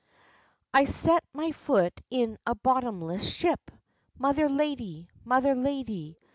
"I'll set my foot in a bottomless ship, Mother lady! mother lady!